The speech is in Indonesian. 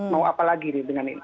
mau apa lagi nih dengan ini